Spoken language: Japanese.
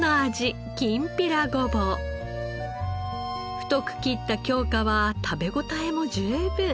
太く切った京香は食べ応えも十分。